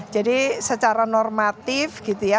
jadi secara normatif gitu ya